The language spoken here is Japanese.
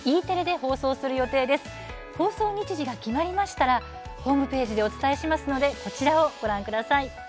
放送日時が決まりましたらホームページでお伝えしますのでこちらをご覧ください。